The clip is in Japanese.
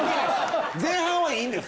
前半はいいんです。